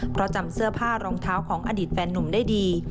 เพราะจำเสื้อผ้ารองเท้าของอดีตแฟนนุ่มได้ดี